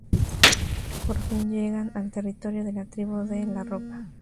Por fin llegan al territorio de la Tribu de la Roca.